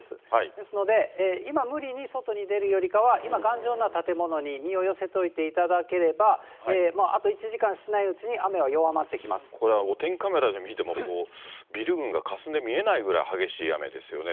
ですので今、無理に外に出るよりかは、今、頑丈な建物に身を寄せといていただければあと１時間しないうちにこれはお天気カメラで見ても、ビル群がかすんで見えないぐらい激しい雨ですよね。